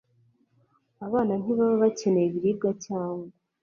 abana ntibaba bakeneye ibiribwa cyangwa